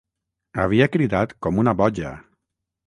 Havia cridat com una boja.